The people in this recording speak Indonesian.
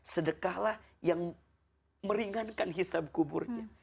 sedekahlah yang meringankan hisab kuburnya